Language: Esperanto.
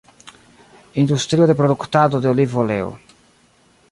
Industrio de produktado de olivoleo.